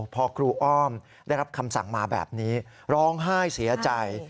พอครูอ้อมได้รับคำสั่งมาแบบนี้ร้องไห้เสียใจ